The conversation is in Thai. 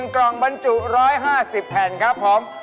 กล่องบรรจุ๑๕๐แผ่นครับผม